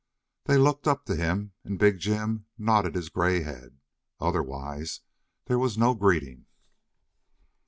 They looked up to him and big Jim nodded his gray head. Otherwise there was no greeting.